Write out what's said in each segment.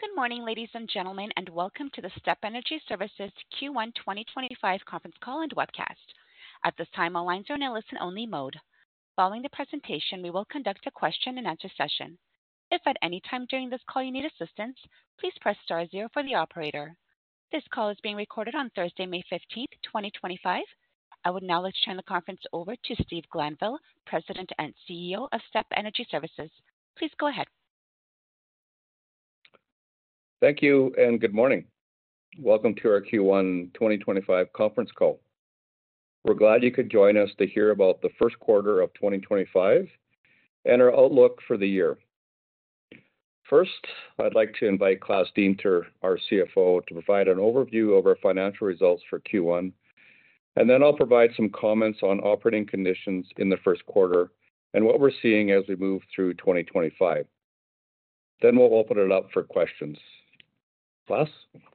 Good morning, ladies and gentlemen, and welcome to the STEP Energy Services Q1 2025 conference call and webcast. At this time, all lines are in a listen-only mode. Following the presentation, we will conduct a question-and-answer session. If at any time during this call you need assistance, please press star zero for the operator. This call is being recorded on Thursday, May 15th, 2025. I would now like to turn the conference over to Steve Glanville, President and CEO of STEP Energy Services. Please go ahead. Thank you and good morning. Welcome to our Q1 2025 conference call. We're glad you could join us to hear about the first quarter of 2025 and our outlook for the year. First, I'd like to invite Klaas Deemter, our CFO, to provide an overview of our financial results for Q1, and then I'll provide some comments on operating conditions in the first quarter and what we're seeing as we move through 2025. After that, we'll open it up for questions. Klaas?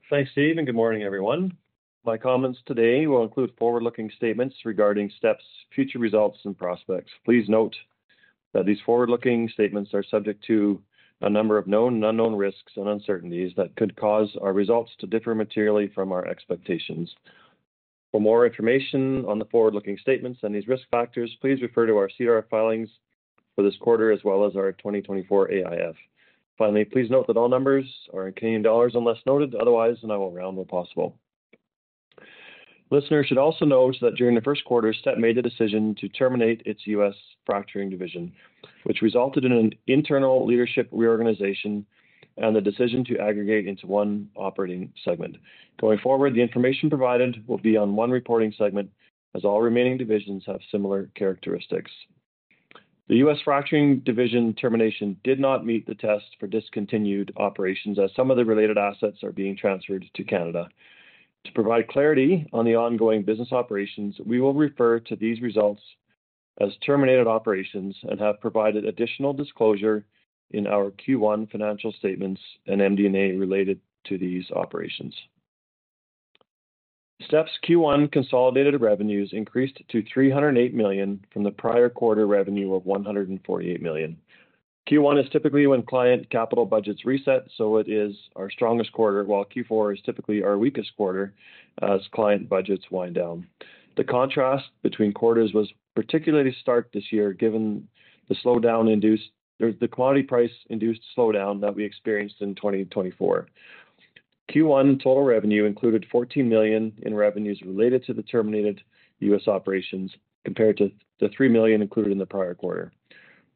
Thanks, Steve, and good morning, everyone. My comments today will include forward-looking statements regarding STEP's future results and prospects. Please note that these forward-looking statements are subject to a number of known and unknown risks and uncertainties that could cause our results to differ materially from our expectations. For more information on the forward-looking statements and these risk factors, please refer to our CDR filings for this quarter as well as our 2024 AIF. Finally, please note that all numbers are in CAD unless noted otherwise, and I will round where possible. Listeners should also note that during the first quarter, STEP made the decision to terminate its U.S. fracturing division, which resulted in an internal leadership reorganization and the decision to aggregate into one operating segment. Going forward, the information provided will be on one reporting segment as all remaining divisions have similar characteristics. The U.S. Fracturing division termination did not meet the test for discontinued operations as some of the related assets are being transferred to Canada. To provide clarity on the ongoing business operations, we will refer to these results as terminated operations and have provided additional disclosure in our Q1 financial statements and MD&A related to these operations. STEP's Q1 consolidated revenues increased to 308 million from the prior quarter revenue of 148 million. Q1 is typically when client capital budgets reset, so it is our strongest quarter, while Q4 is typically our weakest quarter as client budgets wind down. The contrast between quarters was particularly stark this year given the slowdown induced—the quantity price-induced slowdown that we experienced in 2024. Q1 total revenue included 14 million in revenues related to the terminated U.S. operations compared to the 3 million included in the prior quarter.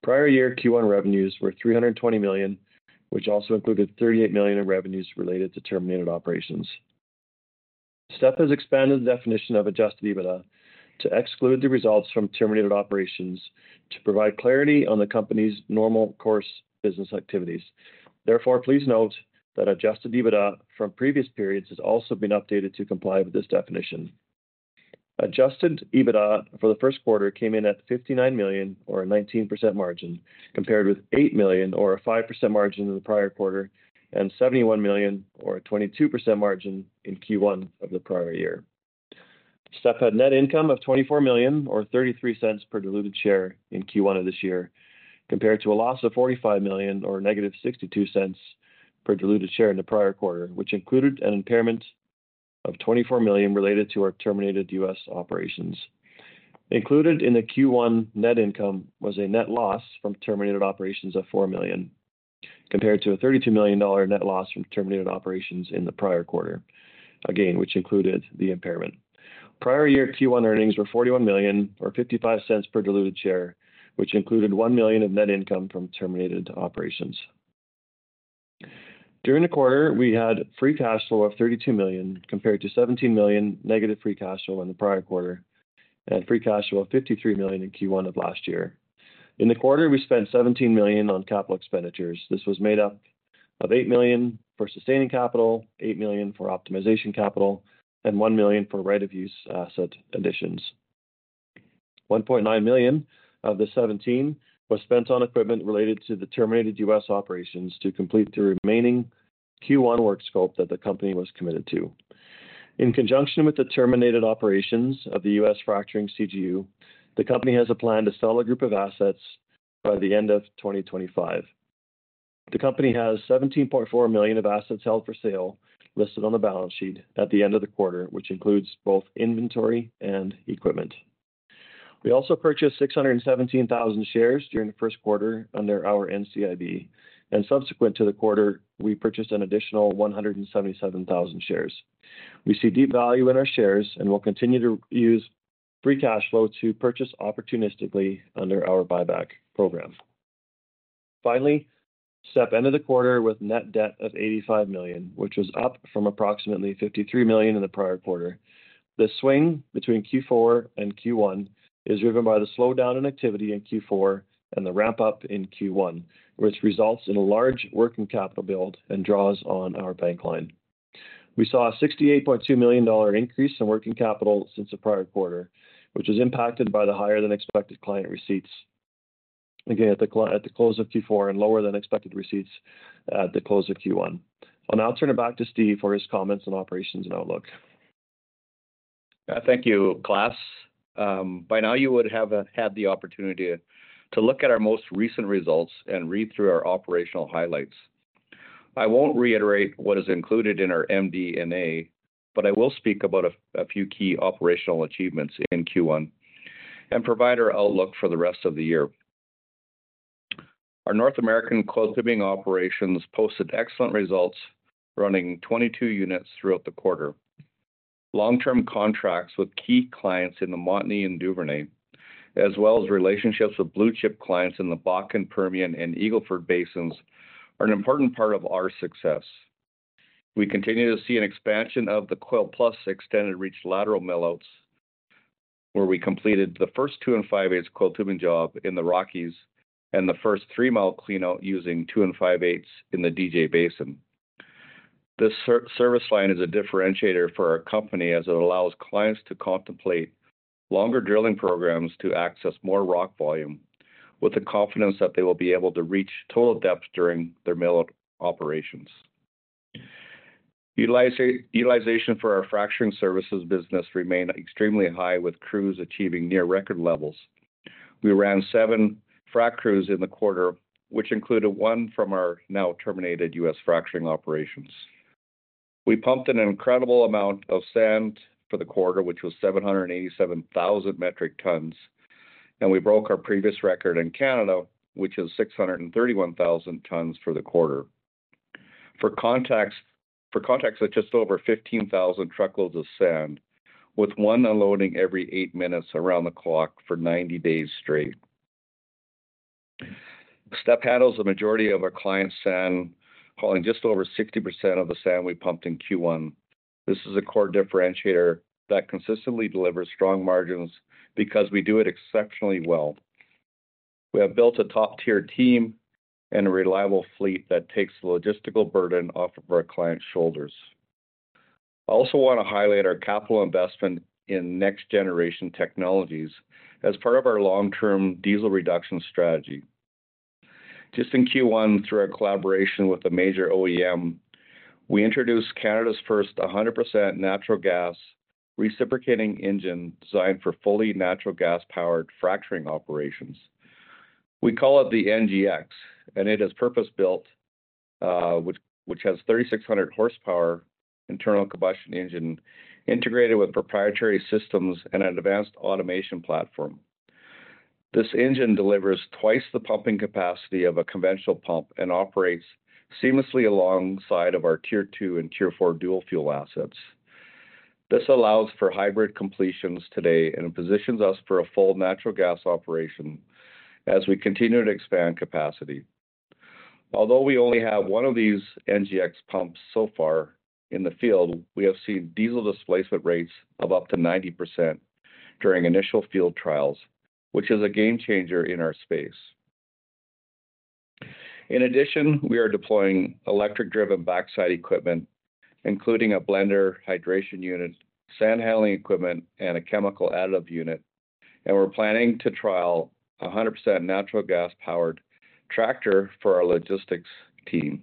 Prior year Q1 revenues were 320 million, which also included 38 million in revenues related to terminated operations. STEP has expanded the definition of adjusted EBITDA to exclude the results from terminated operations to provide clarity on the company's normal course of business activities. Therefore, please note that adjusted EBITDA from previous periods has also been updated to comply with this definition. Adjusted EBITDA for the first quarter came in at 59 million, or a 19% margin, compared with 8 million, or a 5% margin in the prior quarter, and 71 million, or a 22% margin in Q1 of the prior year. STEP had net income of 24 million, or 0.33 per diluted share in Q1 of this year, compared to a loss of 45 million, or negative 0.62 per diluted share in the prior quarter, which included an impairment of 24 million related to our terminated U.S. operations. Included in the Q1 net income was a net loss from terminated operations of 4 million, compared to a 32 million dollar net loss from terminated operations in the prior quarter, again, which included the impairment. Prior year Q1 earnings were 41 million, or 0.55 per diluted share, which included 1 million of net income from terminated operations. During the quarter, we had free cash flow of 32 million, compared to 17 million negative free cash flow in the prior quarter, and free cash flow of 53 million in Q1 of last year. In the quarter, we spent 17 million on capital expenditures. This was made up of 8 million for sustaining capital, 8 million for optimization capital, and 1 million for right-of-use asset additions. 1.9 million of the 17 million was spent on equipment related to the terminated U.S. Operations to complete the remaining Q1 work scope that the company was committed to. In conjunction with the terminated operations of the U.S. fracturing CGU, the company has a plan to sell a group of assets by the end of 2025. The company has 17.4 million of assets held for sale listed on the balance sheet at the end of the quarter, which includes both inventory and equipment. We also purchased 617,000 shares during the first quarter under our NCIB, and subsequent to the quarter, we purchased an additional 177,000 shares. We see deep value in our shares and will continue to use free cash flow to purchase opportunistically under our buyback program. Finally, STEP ended the quarter with net debt of 85 million, which was up from approximately 53 million in the prior quarter. The swing between Q4 and Q1 is driven by the slowdown in activity in Q4 and the ramp-up in Q1, which results in a large working capital build and draws on our bank line. We saw a 68.2 million dollar increase in working capital since the prior quarter, which was impacted by the higher-than-expected client receipts, again, at the close of Q4 and lower-than-expected receipts at the close of Q1. I'll now turn it back to Steve for his comments on operations and outlook. Thank you, Klaas. By now, you would have had the opportunity to look at our most recent results and read through our operational highlights. I won't reiterate what is included in our MD&A, but I will speak about a few key operational achievements in Q1 and provide our outlook for the rest of the year. Our North American coiled tubing operations posted excellent results, running 22 units throughout the quarter. Long-term contracts with key clients in the Montney and Duvernay, as well as relationships with blue-chip clients in the Bakken, Permian, and Eagle Ford basins, are an important part of our success. We continue to see an expansion of the Coil Plus extended-reach lateral mill-outs, where we completed the first two-and-five-eighths coil tubing job in the Rockies and the first three-mile clean-out using two-and-five-eighths in the DJ Basin. This service line is a differentiator for our company as it allows clients to contemplate longer drilling programs to access more rock volume, with the confidence that they will be able to reach total depth during their mill-out operations. Utilization for our fracturing services business remained extremely high, with crews achieving near-record levels. We ran seven frac crews in the quarter, which included one from our now terminated U.S. fracturing operations. We pumped an incredible amount of sand for the quarter, which was 787,000 metric tons, and we broke our previous record in Canada, which is 631,000 tons for the quarter. For context, that's just over 15,000 truckloads of sand, with one unloading every eight minutes around the clock for 90 days straight. STEP handles the majority of our client's sand, hauling just over 60% of the sand we pumped in Q1. This is a core differentiator that consistently delivers strong margins because we do it exceptionally well. We have built a top-tier team and a reliable fleet that takes the logistical burden off of our client's shoulders. I also want to highlight our capital investment in next-generation technologies as part of our long-term diesel reduction strategy. Just in Q1, through our collaboration with a major OEM, we introduced Canada's first 100% natural gas reciprocating engine designed for fully natural gas-powered fracturing operations. We call it the NGX, and it is purpose-built, which has 3,600 horsepower internal combustion engine integrated with proprietary systems and an advanced automation platform. This engine delivers twice the pumping capacity of a conventional pump and operates seamlessly alongside our Tier II and Tier IV dual-fuel assets. This allows for hybrid completions today and positions us for a full natural gas operation as we continue to expand capacity. Although we only have one of these NGX pumps so far in the field, we have seen diesel displacement rates of up to 90% during initial field trials, which is a game-changer in our space. In addition, we are deploying electric-driven backside equipment, including a blender hydration unit, sand handling equipment, and a chemical additive unit, and we're planning to trial a 100% natural gas-powered tractor for our logistics team.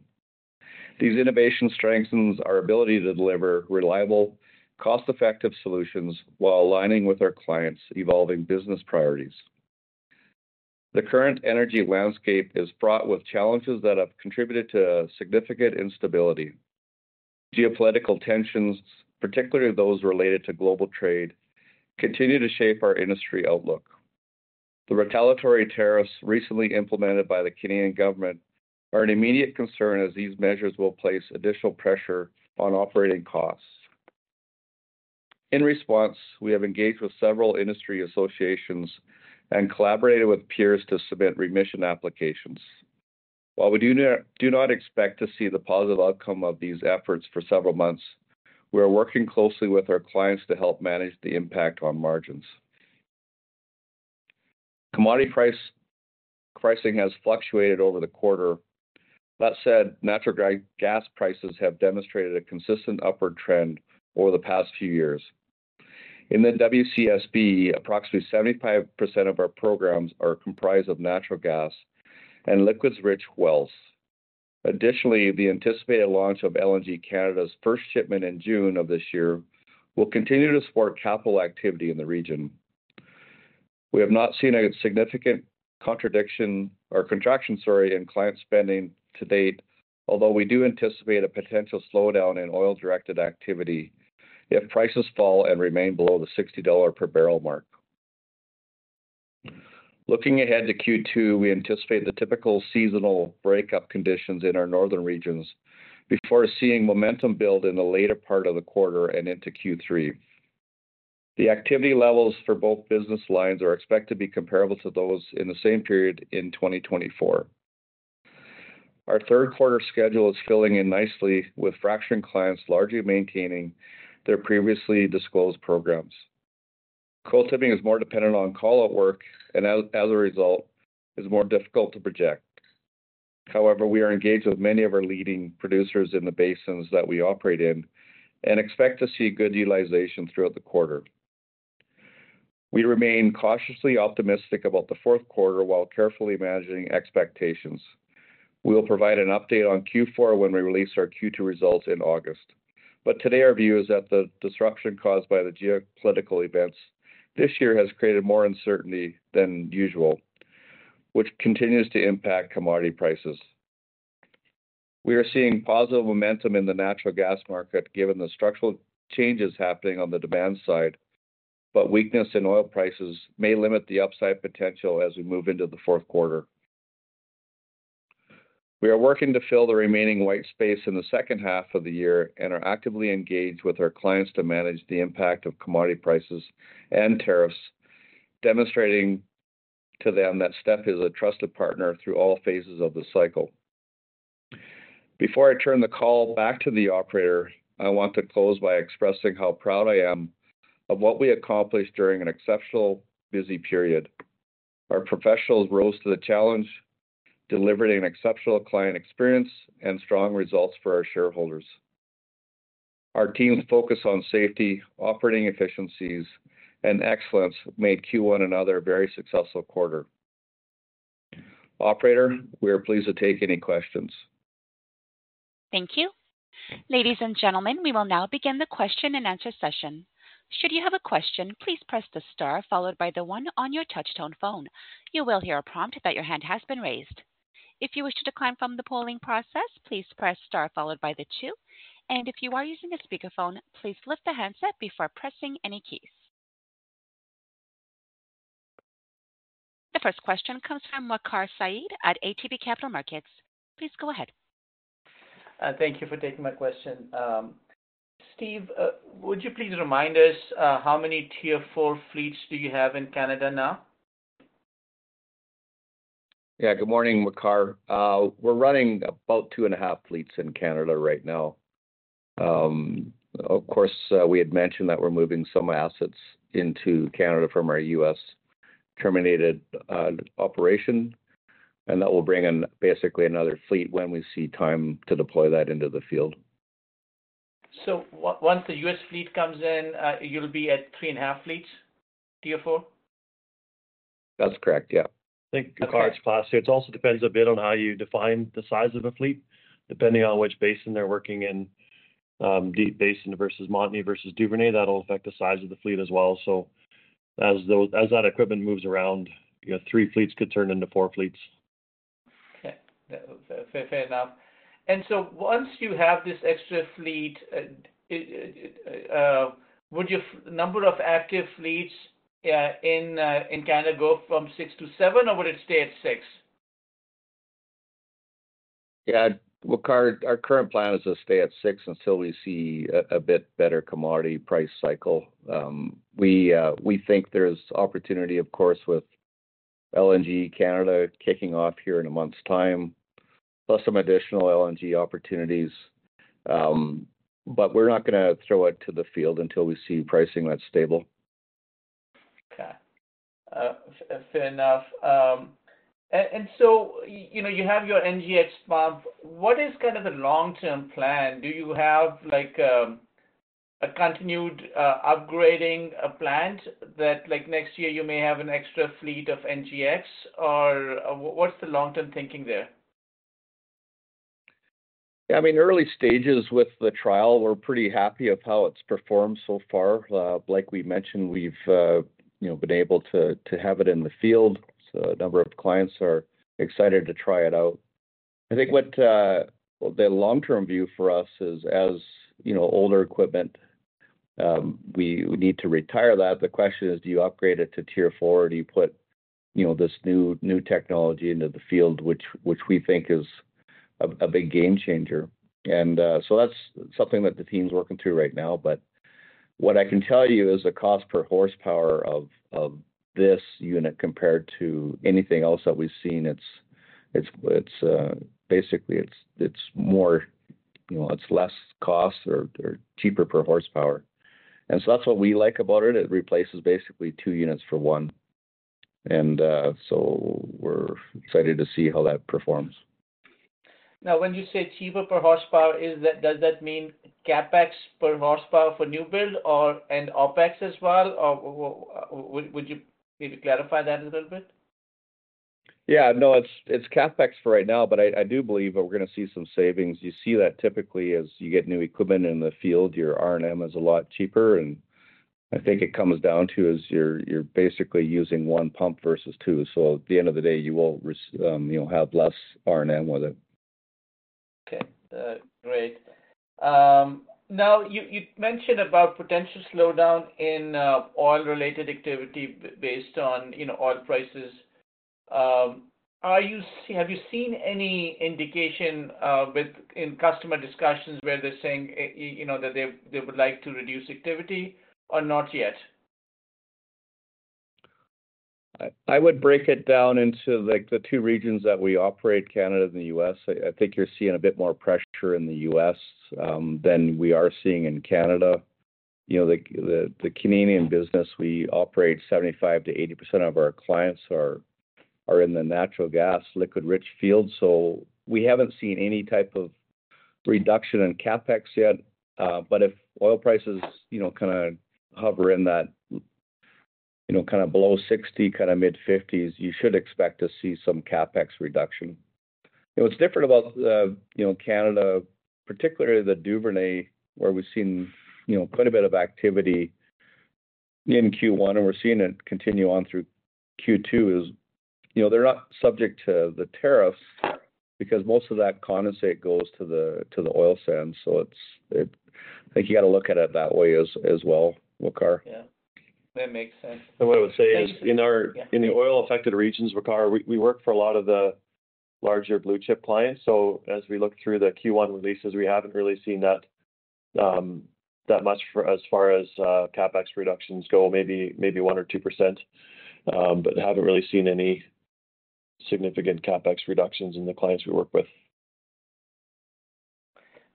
These innovations strengthen our ability to deliver reliable, cost-effective solutions while aligning with our client's evolving business priorities. The current energy landscape is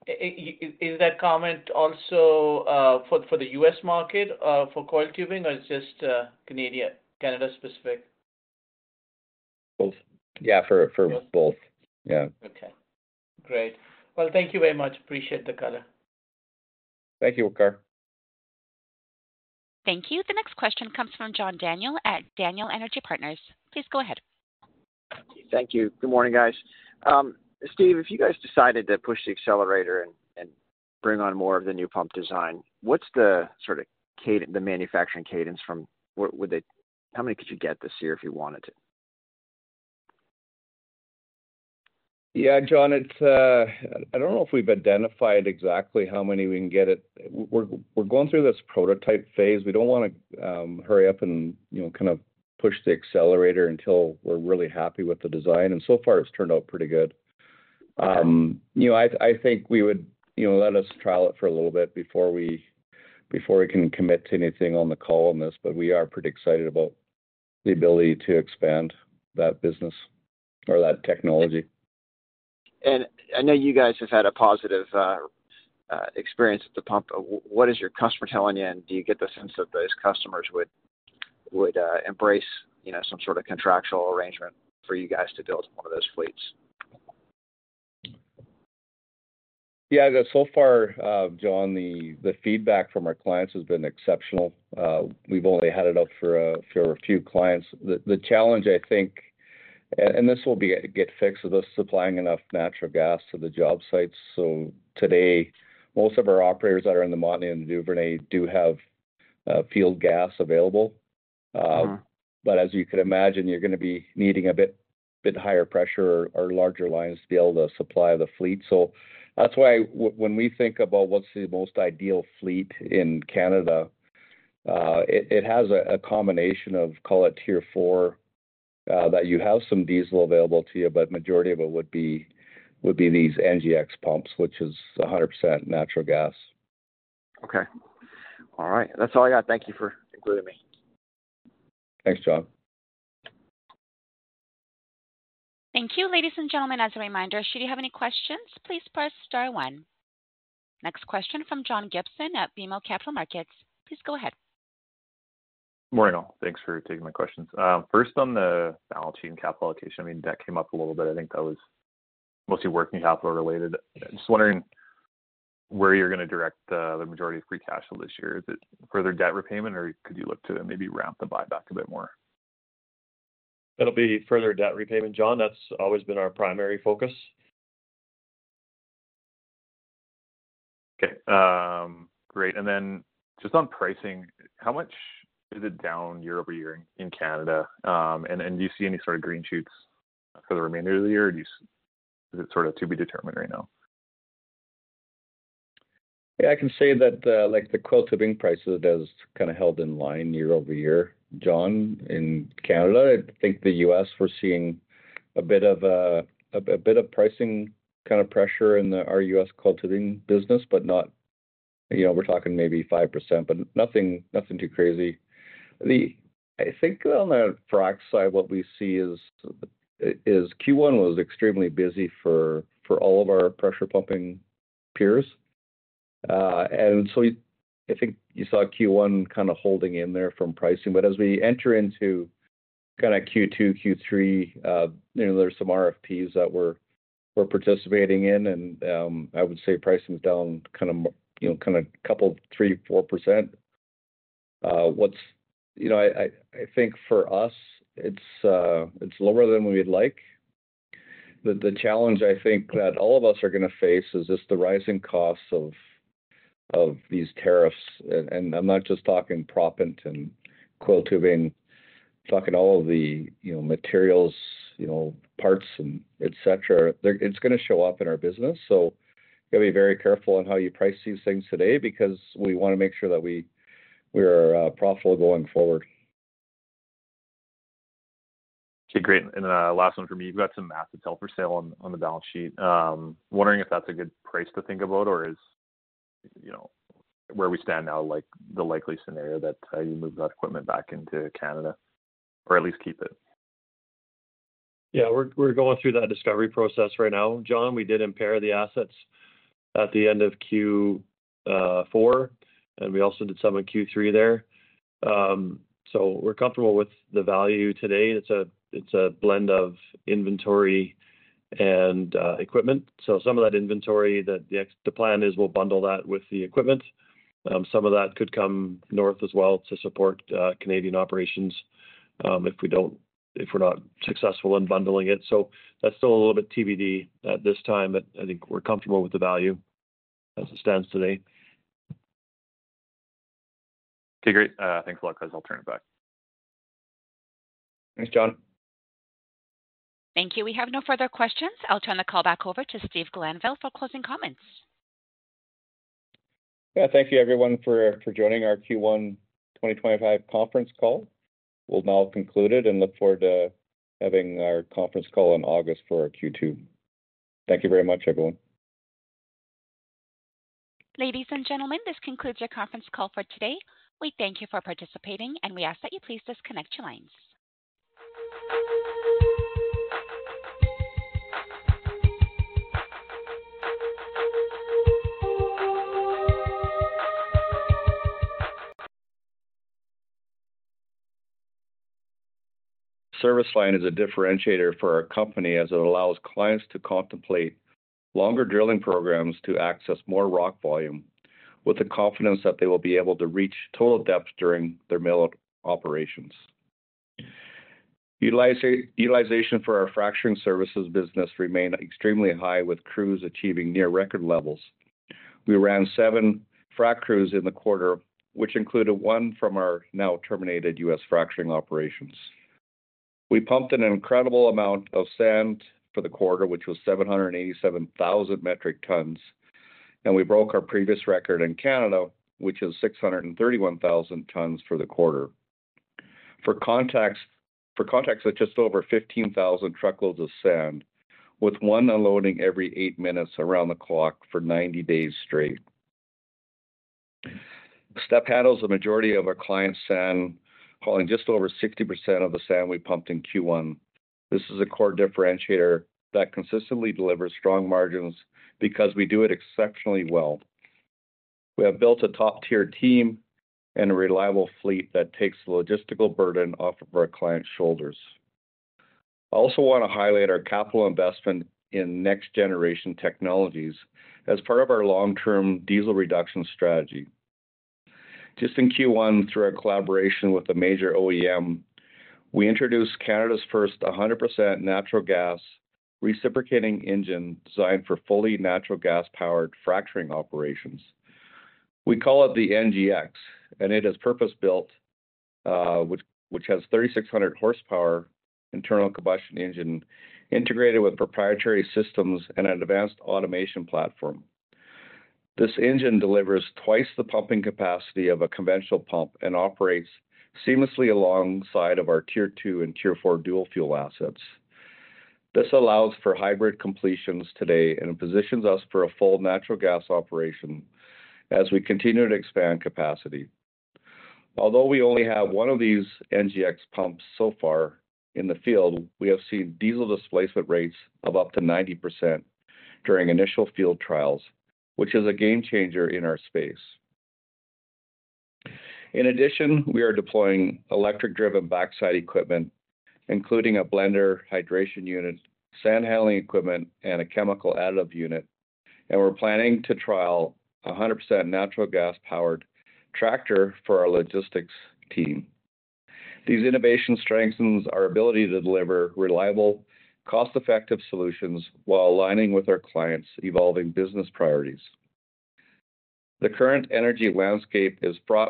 fraught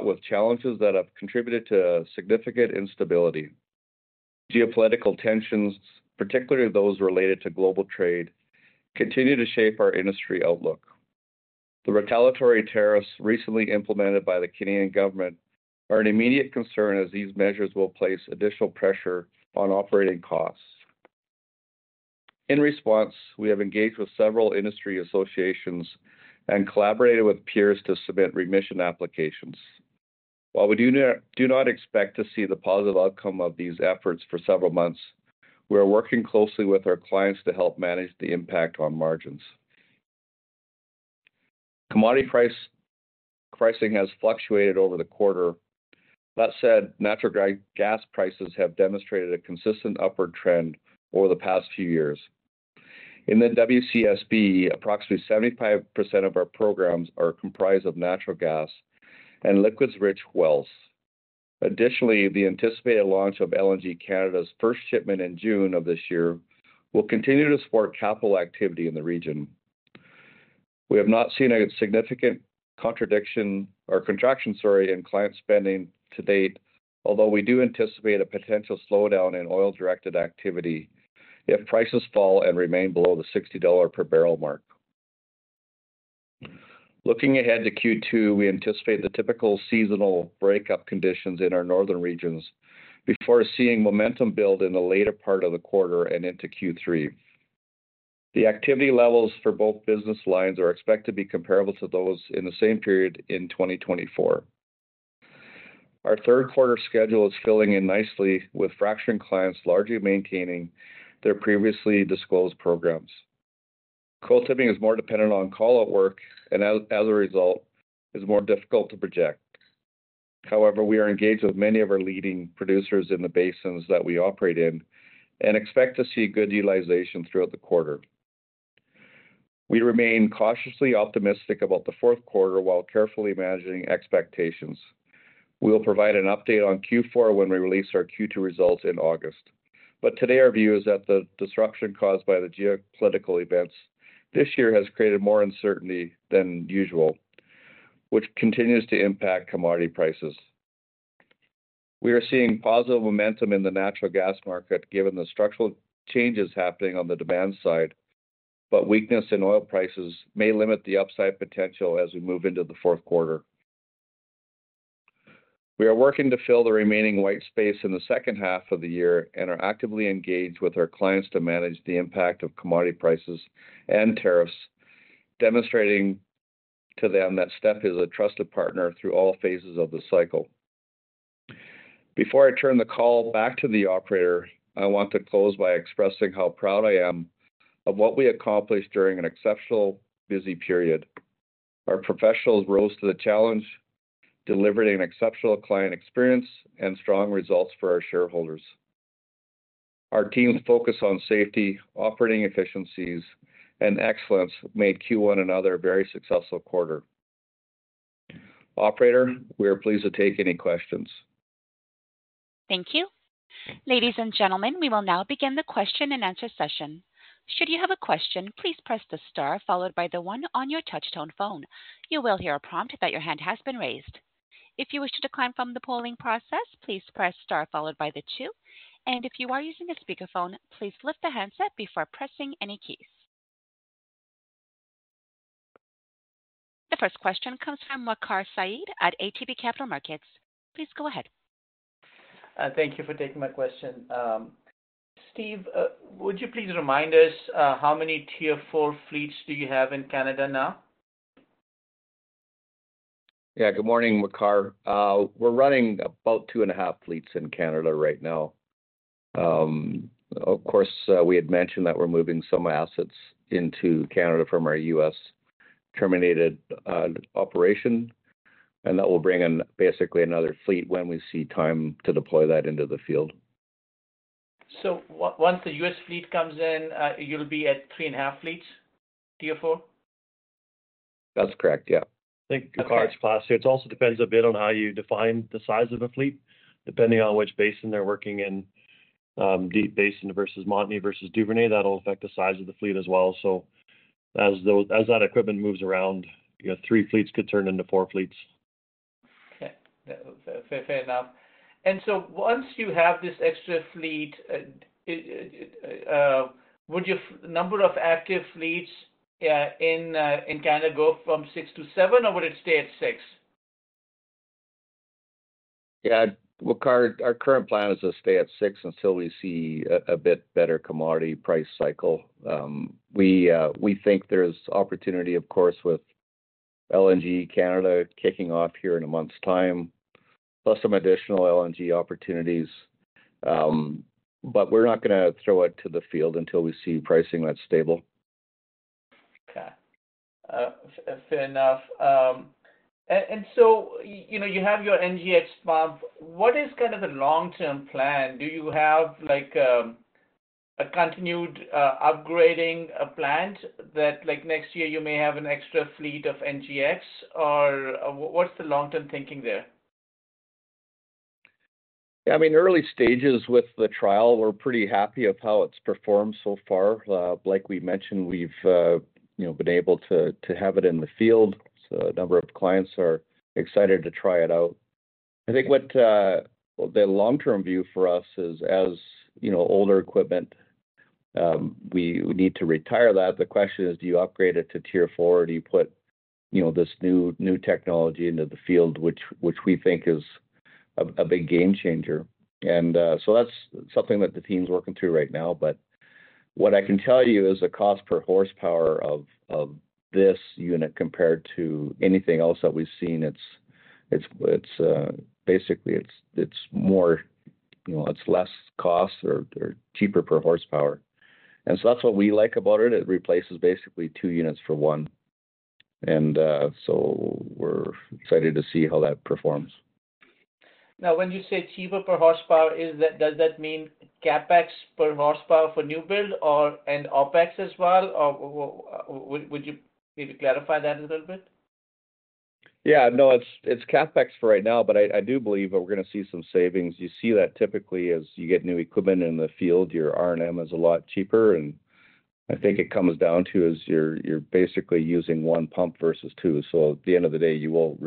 with challenges that have contributed to significant instability. Geopolitical tensions, particularly those related to global trade, continue to shape our industry outlook. The retaliatory tariffs recently implemented by the Canadian government are an immediate concern as these measures will place additional pressure on operating costs. In response, we have engaged with several industry associations and collaborated with peers to submit remission applications. While we do not expect to see the positive outcome of these efforts for several months, we are working closely with our clients to help manage the impact on margins. Commodity pricing has fluctuated over the quarter. That said, natural gas prices have demonstrated a consistent upward trend over the past few years. In the WCSB, approximately 75% of our programs are comprised of natural gas and liquids-rich wells. Additionally, the anticipated launch of LNG Canada's first shipment in June of this year will continue to support capital activity in the region. We have not seen a significant contraction in client spending to date, although we do anticipate a potential slowdown in oil-directed activity if prices fall and remain below the $60 per barrel mark. Looking ahead to Q2, we anticipate the typical seasonal breakup conditions in our northern regions before seeing momentum build in the later part of the quarter and into Q3. The activity levels for both business lines are expected to be comparable to those in the same period in 2024. Our third quarter schedule is filling in nicely, with fracturing clients largely maintaining their previously disclosed programs. Coil tubing is more dependent on call-out work, and as a result, it is more difficult to project. However, we are engaged with many of our leading producers in the basins that we operate in and expect to see good utilization throughout the quarter. We remain cautiously optimistic about the fourth quarter while carefully managing expectations. We will provide an update on Q4 when we release our Q2 results in August. Today, our view is that the disruption caused by the geopolitical events this year has created more uncertainty than usual, which continues to impact commodity prices. We are seeing positive momentum in the natural gas market given the structural changes happening on the demand side, but weakness in oil prices may limit the upside potential as we move into the fourth quarter. We are working to fill the remaining white space in the second half of the year and are actively engaged with our clients to manage the impact of commodity prices and tariffs, demonstrating to them that STEP is a trusted partner through all phases of the cycle. Before I turn the call back to the operator, I want to close by expressing how proud I am of what we accomplished during an exceptionally busy period. Our professionals rose to the challenge, delivered an exceptional client experience, and strong results for our shareholders. Our team's focus on safety, operating efficiencies, and excellence made Q1 and other a very successful quarter. Operator, we are pleased to take any questions. Thank you. Ladies and gentlemen, we will now begin the question-and-answer session. Should you have a question, please press the star followed by the one on your touch-tone phone. You will hear a prompt that your hand has been raised. If you wish to decline from the polling process, please press star followed by the two. If you are using a speakerphone, please lift the handset before pressing any keys. The first question comes from Makar Saeed at ATB Capital Markets. Please go ahead. Thank you for taking my question. Steve, would you please remind us how many Tier IV fleets do you have in Canada now? Yeah, good morning, Makar. We're running about two and a half fleets in Canada right now. Of course, we had mentioned that we're moving some assets into Canada from our U.S. terminated operation, and that will bring in basically another fleet when we see time to deploy that into the field. Once the U.S. fleet comes in, you'll be at three and a half fleets, Tier IV? That's correct, yeah. Thank you. Makar, it's Klaas. It also depends a bit on how you define the size of a fleet. Depending on which basin they're working in, Deep Basin versus Montney versus Duvernay, that'll affect the size of the fleet as well. As that equipment moves around, three fleets could turn into four fleets. Okay. Fair enough. Once you have this extra fleet, would your number of active fleets in Canada go from six to seven, or would it stay at six? Yeah, Makar, our current plan is to stay at six until we see a bit better commodity price cycle. We think there's opportunity, of course, with LNG Canada kicking off here in a month's time, plus some additional LNG opportunities. We are not going to throw it to the field until we see pricing that's stable. Okay. Fair enough. You have your NGX pump. What is kind of the long-term plan? Do you have a continued upgrading plan that next year you may have an extra fleet of NGX, or what is the long-term thinking there? Yeah, I mean, early stages with the trial, we're pretty happy with how it's performed so far. Like we mentioned, we've been able to have it in the field. A number of clients are excited to try it out. I think the long-term view for us is, as older equipment, we need to retire that. The question is, do you upgrade it to Tier IV or do you put this new technology into the field, which we think is a big game-changer? That is something that the team's working through right now. What I can tell you is the cost per horsepower of this unit compared to anything else that we've seen, it's basically more—it's less cost or cheaper per horsepower. That is what we like about it. It replaces basically two units for one. We are excited to see how that performs. Now, when you say cheaper per horsepower, does that mean CapEx per horsepower for new build and OpEx as well? Would you maybe clarify that a little bit? Yeah, no, it's CapEx for right now, but I do believe that we're going to see some savings. You see that typically as you get new equipment in the field, your R&M is a lot cheaper. I think it comes down to is you're basically using one pump versus two. At the end of the day, you'll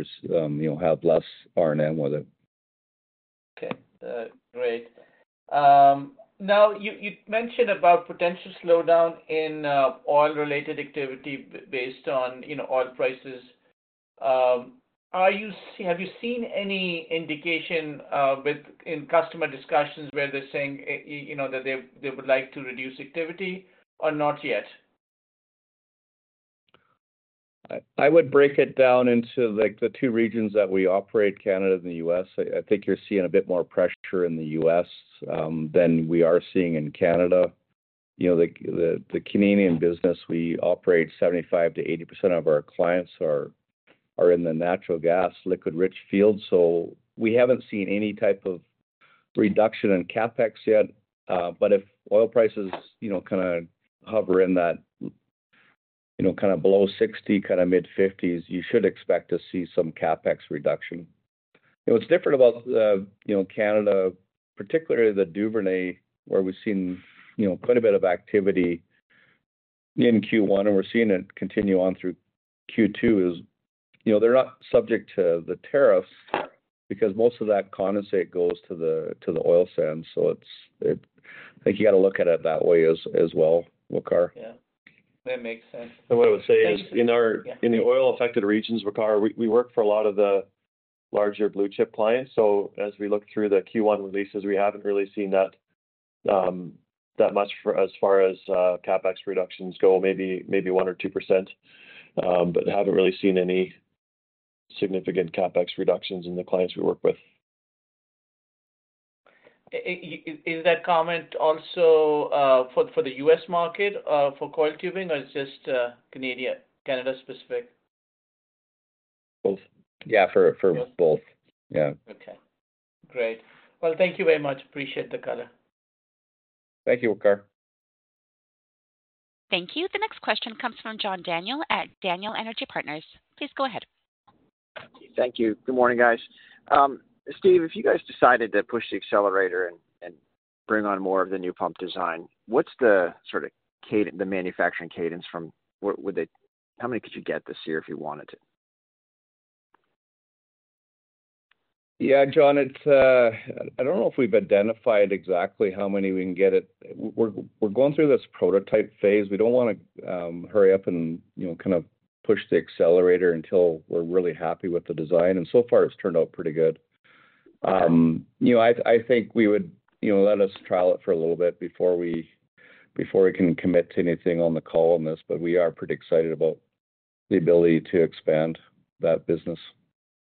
have less R&M with it. Okay. Great. Now, you mentioned about potential slowdown in oil-related activity based on oil prices. Have you seen any indication in customer discussions where they're saying that they would like to reduce activity or not yet? I would break it down into the two regions that we operate: Canada and the U.S. I think you're seeing a bit more pressure in the U.S. than we are seeing in Canada. The Canadian business, we operate 75%-80% of our clients are in the natural gas, liquid-rich field. So we haven't seen any type of reduction in CapEx yet. But if oil prices kind of hover in that kind of below $60, kind of mid-$50s, you should expect to see some CapEx reduction. What's different about Canada, particularly the Duvernay, where we've seen quite a bit of activity in Q1 and we're seeing it continue on through Q2, is they're not subject to the tariffs because most of that condensate goes to the oil sands. I think you got to look at it that way as well, Makar. Yeah. That makes sense. What I would say is in the oil-affected regions, Makar, we work for a lot of the larger blue-chip clients. As we look through the Q1 releases, we have not really seen that much as far as CapEx reductions go, maybe 1% or 2%, but have not really seen any significant CapEx reductions in the clients we work with. Is that comment also for the U.S. market for coil tubing, or it's just Canada-specific? Both. Yeah, for both. Yeah. Okay. Great. Thank you very much. Appreciate the color. Thank you, Makar. Thank you. The next question comes from John Daniel at Daniel Energy Partners. Please go ahead. Thank you. Good morning, guys. Steve, if you guys decided to push the accelerator and bring on more of the new pump design, what's the sort of manufacturing cadence from how many could you get this year if you wanted to? Yeah, John, I don't know if we've identified exactly how many we can get it. We're going through this prototype phase. We don't want to hurry up and kind of push the accelerator until we're really happy with the design. So far, it's turned out pretty good. I think we would let us trial it for a little bit before we can commit to anything on the call on this, but we are pretty excited about the ability to expand that business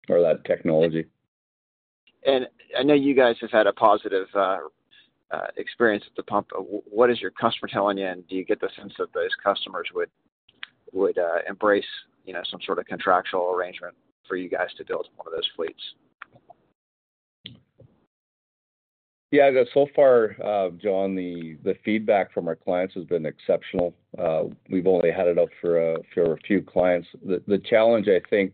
or that technology. I know you guys have had a positive experience with the pump. What is your customer telling you? Do you get the sense that those customers would embrace some sort of contractual arrangement for you guys to build one of those fleets? Yeah, so far, John, the feedback from our clients has been exceptional. We've only had it up for a few clients. The challenge, I think,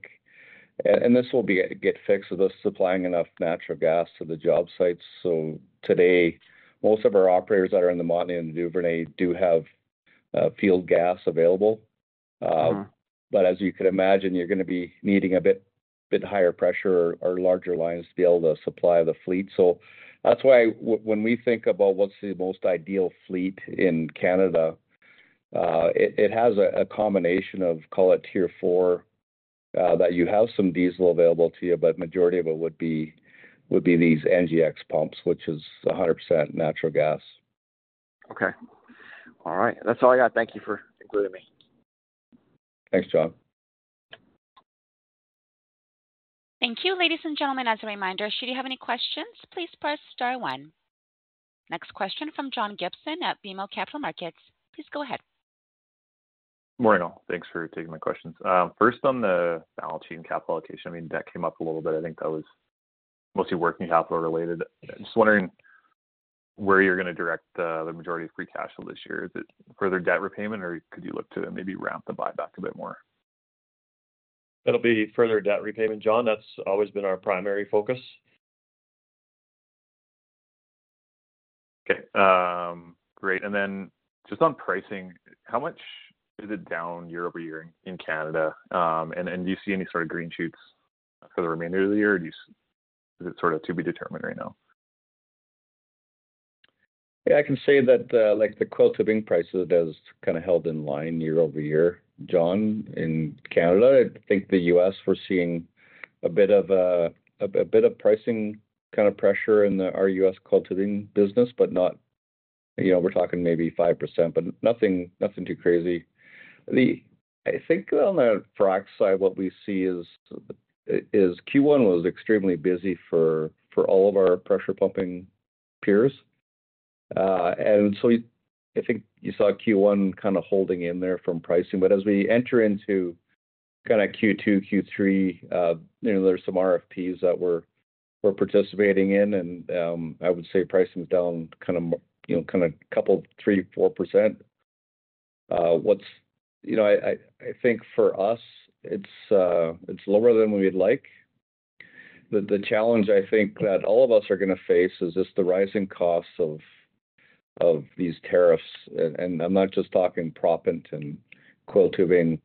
and this will get fixed, is supplying enough natural gas to the job sites. Today, most of our operators that are in the Montney and the Duvernay do have field gas available. As you can imagine, you're going to be needing a bit higher pressure or larger lines to be able to supply the fleet. That is why when we think about what's the most ideal fleet in Canada, it has a combination of, call it Tier IV, that you have some diesel available to you, but the majority of it would be these NGX pumps, which is 100% natural gas. Okay. All right. That's all I got. Thank you for including me. Thanks, John. Thank you. Ladies and gentlemen, as a reminder, should you have any questions, please press star one. Next question from John Gibson at BMO Capital Markets. Please go ahead. Morning all. Thanks for taking my questions. First, on the balance sheet and capital allocation, I mean, debt came up a little bit. I think that was mostly working capital related. Just wondering where you're going to direct the majority of free cash flow this year. Is it further debt repayment, or could you look to maybe ramp the buyback a bit more? That'll be further debt repayment, John. That's always been our primary focus. Okay. Great. Just on pricing, how much is it down year over year in Canada? Do you see any sort of green shoots for the remainder of the year, or is it sort of to be determined right now? Yeah, I can say that the coil tubing prices have kind of held in line year over year, John. In Canada, I think the U.S., we're seeing a bit of pricing kind of pressure in our U.S. coil tubing business, but not—we're talking maybe 5%, but nothing too crazy. I think on the frac side, what we see is Q1 was extremely busy for all of our pressure pumping peers. I think you saw Q1 kind of holding in there from pricing. As we enter into kind of Q2, Q3, there's some RFPs that we're participating in, and I would say pricing's down kind of a couple of 3-4%. I think for us, it's lower than we'd like. The challenge, I think, that all of us are going to face is just the rising costs of these tariffs. I'm not just talking proppant and coil tubing,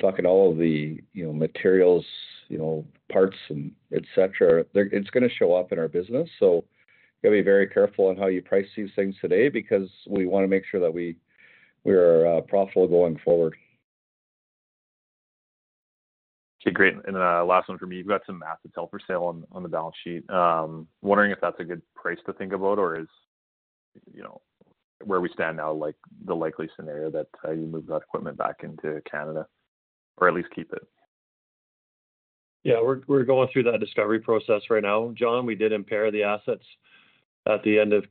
talking all of the materials, parts, and etc. It's going to show up in our business. You got to be very careful on how you price these things today because we want to make sure that we are profitable going forward. Okay. Great. Last one from me. You've got some assets held for sale on the balance sheet. Wondering if that's a good price to think about, or is where we stand now the likely scenario that you move that equipment back into Canada or at least keep it? Yeah, we're going through that discovery process right now, John. We did impair the assets at the end of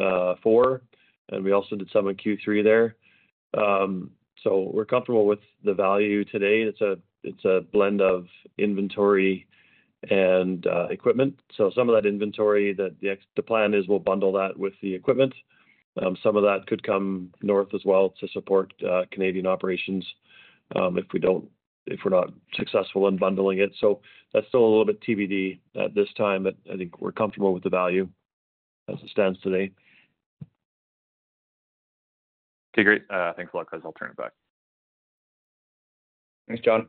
Q4, and we also did some in Q3 there. We are comfortable with the value today. It's a blend of inventory and equipment. Some of that inventory, the plan is we'll bundle that with the equipment. Some of that could come north as well to support Canadian operations if we're not successful in bundling it. That is still a little bit TBD at this time, but I think we're comfortable with the value as it stands today. Okay. Great. Thanks a lot, Klaas. I'll turn it back. Thanks, John.